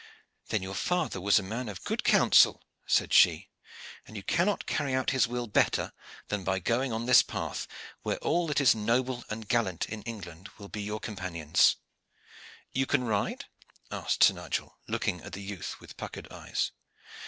"Then your father was a man of good counsel," said she, "and you cannot carry out his will better than by going on this path, where all that is noble and gallant in England will be your companions." "You can ride?" asked Sir Nigel, looking at the youth with puckered eyes.